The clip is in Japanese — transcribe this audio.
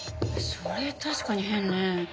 それ確かに変ね。